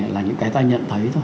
là những cái ta nhận thấy thôi